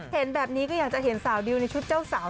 เห็นแบบนี้ก็อยากจะเห็นสาวดิวในชุดเจ้าสาว